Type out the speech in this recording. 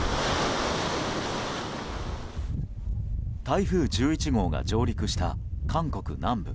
ＪＴ台風１１号が上陸した韓国南部。